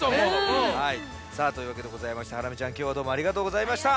さあというわけでございましてハラミちゃんきょうはどうもありがとうございました。